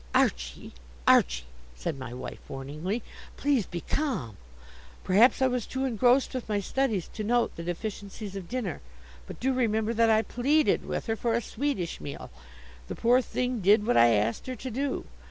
"Archie, Archie!" said my wife warningly; "please be calm. Perhaps I was too engrossed with my studies to note the deficiencies of dinner. But do remember that I pleaded with her for a Swedish meal. The poor thing did what I asked her to do.